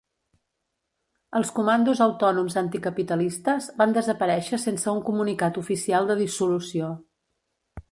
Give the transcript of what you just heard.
Els Comandos Autònoms Anticapitalistes van desaparèixer sense un comunicat oficial de dissolució.